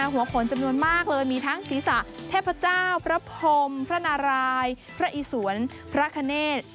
หัวผลจำนวนมากเลยมีทั้งศีรษะเทพเจ้าพระพรมพระนารายพระอิสวนพระคเนธ